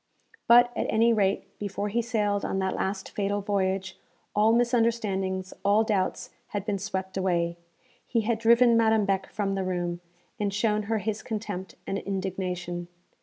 _ But, at any rate, before he sailed on that last fatal voyage, all misunderstandings, all doubts had been swept away. He had driven Madame Beck from the room, and shown her his contempt and indignation.